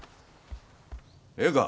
ええか。